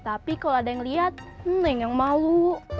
ada yang liat ada yang malu